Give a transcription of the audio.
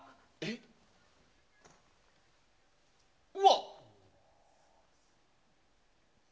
うわっ！